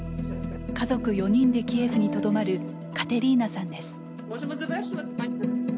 家族４人でキエフにとどまるカテリーナさんです。